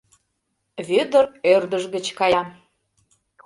Вӧдыр ӧрдыж гыч кая.